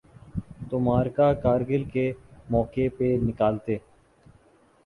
تو معرکہ کارگل کے موقع پہ نکالتے۔